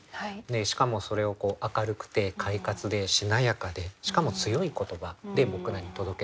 しかもそれを明るくて快活でしなやかでしかも強い言葉で僕らに届けてくれる詩人だと思いますね。